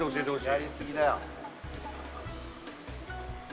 やりすぎだよ。